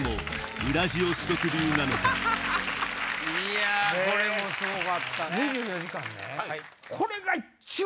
いやこれもすごかったね。